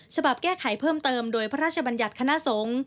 แก้ไขเพิ่มเติมโดยพระราชบัญญัติคณะสงฆ์